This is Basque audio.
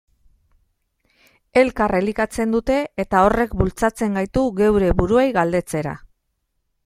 Elkar elikatzen dute, eta horrek bultzatzen gaitu geure buruei galdetzera.